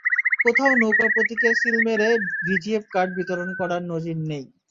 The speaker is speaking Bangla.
কোথাও নৌকা প্রতীকের সিল মেরে ভিজিএফ কার্ড বিতরণ করার নজির নেই।